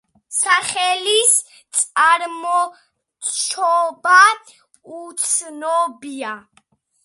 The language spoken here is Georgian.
სახელის წარმოშობა უცნობია.